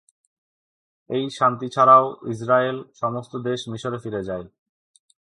এই শান্তি ছাড়াও, ইস্রায়েল সমস্ত দেশ মিশরে ফিরে যাবে।